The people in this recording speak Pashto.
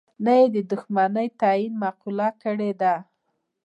نه یې د دوښمنی تعین معقوله کړې ده.